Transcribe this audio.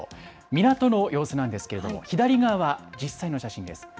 港の様子なんですけれども、左側は実際の写真です。